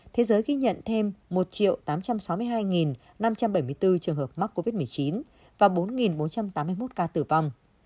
thế giới ghi nhận thêm một tám trăm sáu mươi hai năm trăm bảy mươi bốn trường hợp mắc covid một mươi chín và bốn bốn trăm tám mươi một ca tử vong